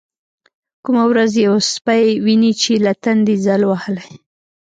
کومه ورځ يو سپى ويني چې له تندې ځل وهلى.